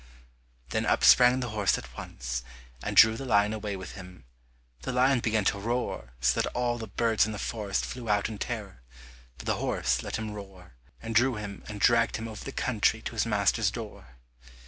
Then up sprang the horse at once, and drew the lion away with him. The lion began to roar so that all the birds in the forest flew out in terror, but the horse let him roar, and drew him and dragged him over the country to his master's door.